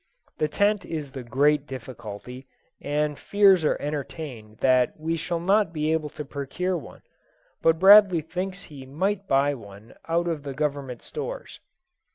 The tent is the great difficulty, and fears are entertained that we shall not be able to procure one; but Bradley thinks he might buy one out of the Government stores.